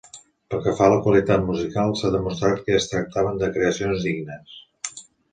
Pel que fa a la qualitat musical, s'ha demostrat que es tractaven de creacions dignes.